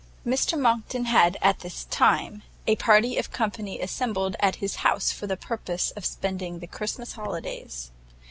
Mr Monckton had, at this time, a party of company assembled at his house for the purpose of spending the Christmas holidays.